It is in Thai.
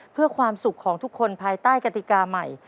เพื่อความสุขของทุกคนภายใต้กติกาใหม่